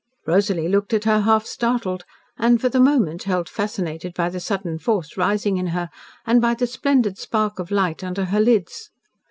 Rosalie looked at her half startled, and, for the moment held fascinated by the sudden force rising in her and by the splendid spark of light under her lids.